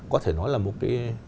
có thể nói là một cái